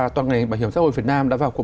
toàn ngành bảo hiểm xã hội việt nam đã vào cuộc